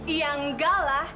ya nggak lah